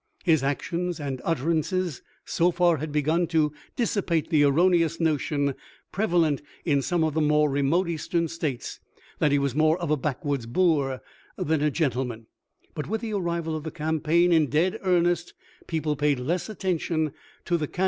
His actions and utterances so far had begun to dissipate the erroneous notion prev alent in some of the more remote Eastern States, that he was more of a backwoods boor than a gen tleman ; but with the arrival of the campaign in dead earnest, people paid less attention to the can 464 THE LIFE OF LTN^COLN.